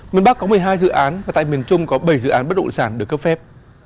miền bắc có một mươi hai dự án và tại miền trung có bảy dự án bất động sản được cấp phép